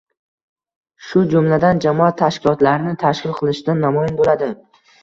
shu jumladan, jamoat tashkilotlarini tashkil qilishda namoyon bo‘ladi.